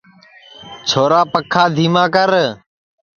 چھورا پکھا دھیما کر